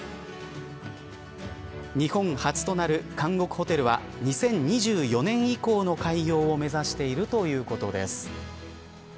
日本初となる監獄ホテルは２０２４年以降の開業を目指しているということです。